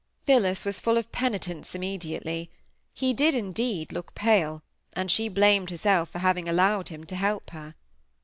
Phillis was full of penitence immediately. He did, indeed, look pale; and she blamed herself for having allowed him to help her.